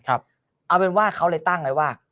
เอาเป็นว่าเขาเลยตั้งไว้ว่า